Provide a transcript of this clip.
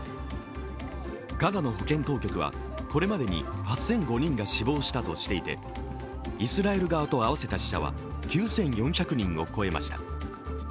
ガザの保健当局はこれまでに８００５人が死亡したとしていてイスラエル側と合わせた死者は９４００人を超えました。